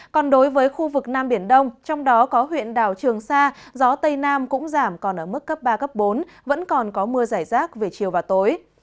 còn đối với khu vực nam biển đông trong đó có huyện đảo trường sa gió tây nam cũng giảm còn ở mức cấp ba bốn vẫn còn có mưa giải rác về chiều và tối